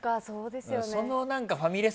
そのファミレス